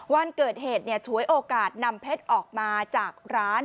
วันเกิดเหตุฉวยโอกาสนำเพชรออกมาจากร้าน